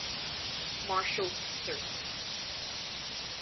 Marshals Service.